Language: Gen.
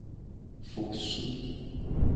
Fosu.